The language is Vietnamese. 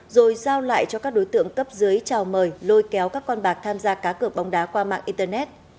rồi giao lại cho các đối tượng cấp dưới chào mời lôi kéo các con bạc tham gia cá cược bóng đá qua mạng internet